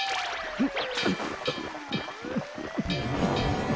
うん？